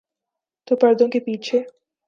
تو پردوں کے پیچھے۔